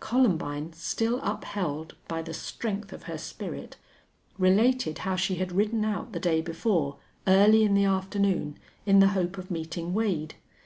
Columbine, still upheld by the strength of her spirit, related how she had ridden out the day before, early in the afternoon, in the hope of meeting Wade.